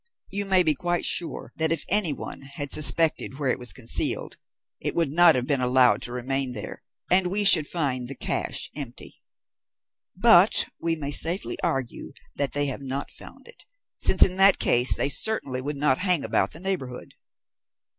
You may be quite sure that if anyone had suspected where it was concealed, it would not have been allowed to remain there, and we should find the cache empty. But we may safely argue that they have not found it, since in that case they certainly would not hang about the neighbourhood."